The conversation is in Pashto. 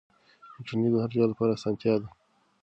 انټرنیټ د هر چا لپاره اسانتیا ده.